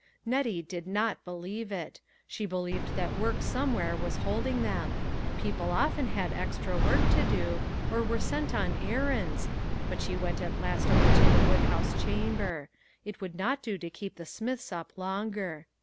Nettie did not believe it. She believed that work somewhere was holding them ; people often had extra work to do, or were sent on errands, but she went at last over to the wood house chamber; it would not do to keep the Smiths up longer.